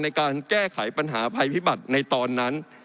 ในการแก้ไขปัญหาภัยพิบัติในตอนนั้น